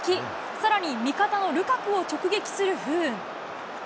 さらに味方のルカクを直撃する不運。